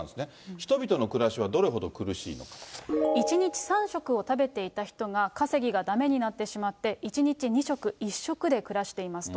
人々の暮らしはどれほど苦しいの１日３食を食べていた人が、稼ぎがだめになってしまって１日２食、１食で暮らしていますと。